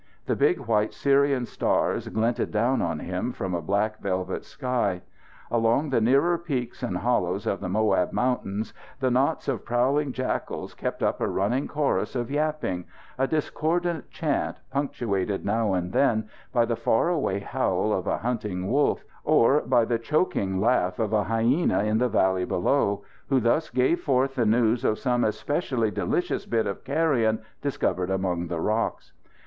The big white Syrian stars glinted down on him from a black velvet sky. Along the nearer peaks and hollows of the Moab Mountains, the knots of prowling jackals kept up a running chorus of yapping a discordant chant punctuated now and then by the far away howl of a hunting wolf; or, by the choking "laugh" of a hyena in the valley below, who thus gave forth the news of some especially delicious bit of carrion discovered among the rocks.